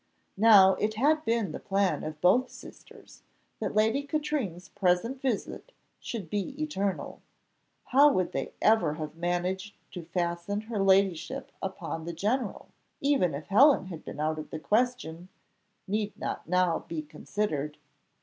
Now, it had been the plan of both sisters, that Lady Katrine's present visit should be eternal. How they would ever have managed to fasten her ladyship upon the General, even if Helen had been out of the question, need not now be considered.